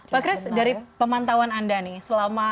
pak chris dari pemantauan anda nih selama